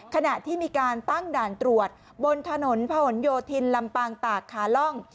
ขณะที่มีการตั้งด่านตรวจบนถนนพะหนโยธินลำปางตากขาล่อง